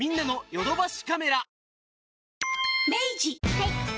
はい。